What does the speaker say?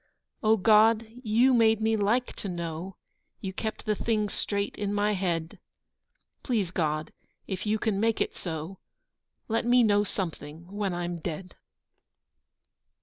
O God, you made me like to know, You kept the things straight in my head, Please God, if you can make it so, Let me know something when I'm dead.